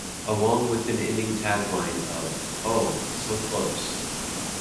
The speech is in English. Along with an ending tagline of, Oh, so close!